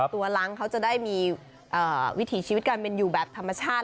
ตัวล้างเขาจะได้มีวิถีชีวิตการเป็นอยู่แบบธรรมชาติ